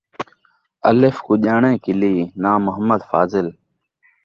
الف کوں ڄاݨے کلی، ناں محمد فاضل